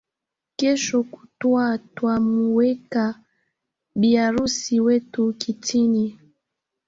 Kesho kutwa twamuweka bi harusi wetu kitini